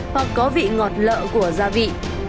hoặc có vị ngọt lợ của gia vị